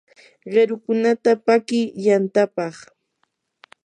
qirukunata paki yantapaq.